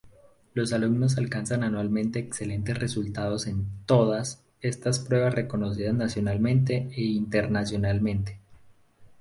Los alumnos alcanzan anualmente excelentes resultados en "todas" estas pruebas reconocidas nacional e internacionalmente.